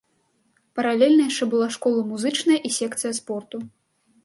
Паралельна яшчэ была школа музычная і секцыя спорту.